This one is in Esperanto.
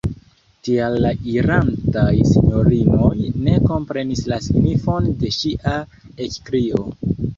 Tial la irantaj sinjorinoj ne komprenis la signifon de ŝia ekkrio.